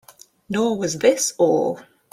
Nor was this all.